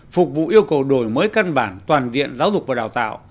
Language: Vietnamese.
phục vụ yêu cầu đổi mới căn bản toàn diện giáo dục và đào tạo